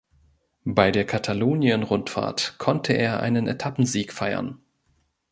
Bei der Katalonien-Rundfahrt konnte er einen Etappensieg feiern.